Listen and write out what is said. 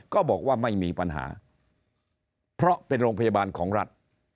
ก็บอกว่าไม่มีปัญหาเพราะเป็นโรงพยาบาลของรัฐ